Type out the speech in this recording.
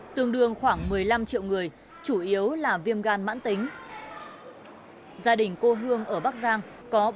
tương đương khoảng một mươi năm triệu người chủ yếu là viêm gan mãn tính gia đình cô hương ở bắc giang